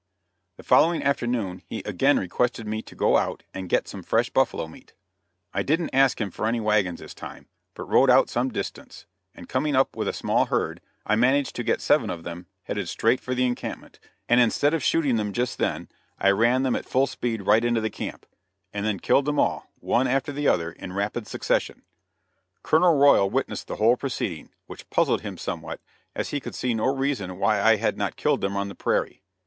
The following afternoon he again requested me to go out and get some fresh buffalo meat. I didn't ask him for any wagons this time, but rode out some distance, and coming up with a small herd, I managed to get seven of them headed straight for the encampment, and instead of shooting them just then, I ran them at full speed right into the camp, and then killed them all, one after the other in rapid succession. Colonel Royal witnessed the whole proceeding, which puzzled him somewhat, as he could see no reason why I had not killed them on the prairie.